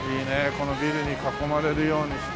このビルに囲まれるようにして。